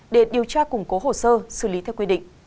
để điều tra củng cố hồ sơ xử lý theo quy định